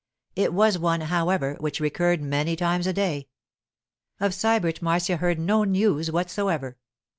It was one, however, which recurred many times a day. Of Sybert Marcia heard no news whatever.